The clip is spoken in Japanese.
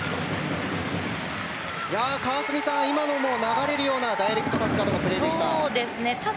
川澄さん、今のも流れるようなダイレクトパスからのプレーでした。